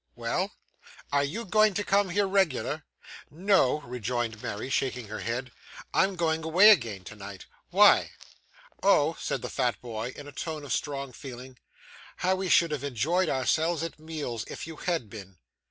'Well?' 'Are you going to come here regular?' 'No,' rejoined Mary, shaking her head, 'I'm going away again to night. Why?' 'Oh,' said the fat boy, in a tone of strong feeling; 'how we should have enjoyed ourselves at meals, if you had been!